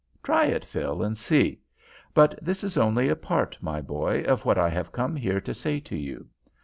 Try it, Phil, and see; but this is only a part, my boy, of what I have come here to say to you.